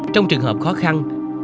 trong trường hợp khó khăn